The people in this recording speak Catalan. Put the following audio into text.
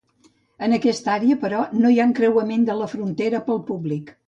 En aquesta àrea, però, no hi ha encreuament de la frontera pel públic.